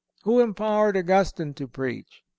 Who empowered Augustine to preach?